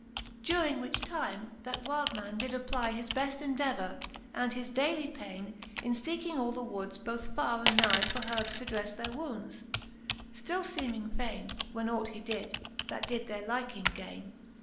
XVI. During which time, that wyld man did apply His beft endevour, and his daily paine. In feeking all the woods bath farre and nye For herbes to drede their wounds; ftill (eeming faine, When ought he did, that did their lyking gaine.